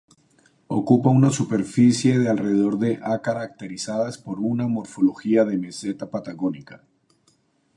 Ocupa una superficie de alrededor de ha caracterizadas por una morfología de meseta patagónica.